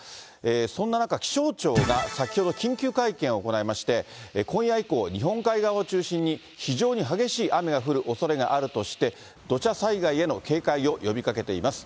そんな中、気象庁が先ほど緊急会見を行いまして、今夜以降、日本海側を中心に非常に激しい雨が降るおそれがあるとして、土砂災害への警戒を呼びかけています。